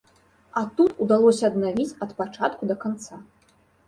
А тут удалося аднавіць ад пачатку да канца.